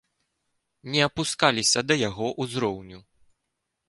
Не апускаліся да яго ўзроўню.